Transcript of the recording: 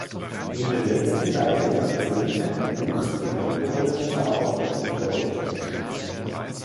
In den letzten beiden Jahrzehnten wuchs die Einwohnerzahl wieder deutlich.